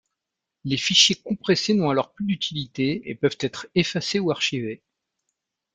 Les fichiers compressés n'ont alors plus d'utilité et peuvent être effacés ou archivés.